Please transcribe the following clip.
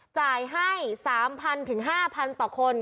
จ่ายให้๓๐๐๕๐๐ต่อคน